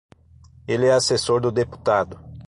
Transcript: Ele é assessor do deputado.